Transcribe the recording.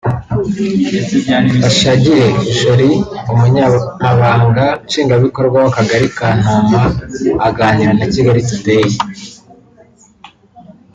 Bashagire Jolly Umunyamabanga Nshingwabikorwa w’Akagari ka Ntoma aganira na Kigali Today